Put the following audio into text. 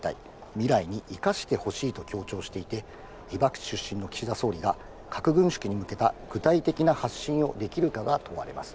未来に生かしてほしいと強調していて、被爆地出身の岸田総理が核軍縮に向けた具体的な発信をできるのかが問われます。